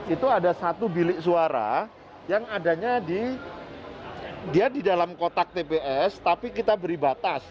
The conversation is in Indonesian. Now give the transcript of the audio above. itu ada satu bilik suara yang adanya di dia di dalam kotak tps tapi kita beri batas